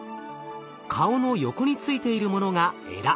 顔の横についているものがエラ。